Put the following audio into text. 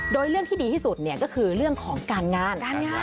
โดยเรื่องที่ดีที่สุดก็คือเรื่องของการงาน